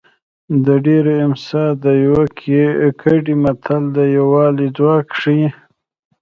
د ډېرو امسا د یوه ګېډۍ متل د یووالي ځواک ښيي